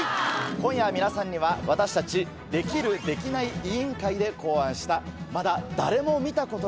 今夜皆さんには私たち「できる？できない？」委員会で考案したまだ誰も見たことがない